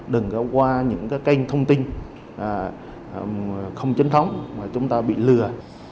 đừng có qua những kênh thông tin không chính thống mà chúng ta bị lừa